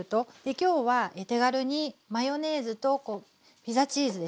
今日は手軽にマヨネーズとピザチーズですね。